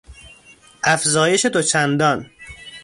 افزایش دو چندان